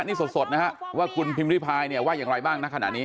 นี่สดนะฮะว่าคุณพิมพิพายเนี่ยว่าอย่างไรบ้างนะขณะนี้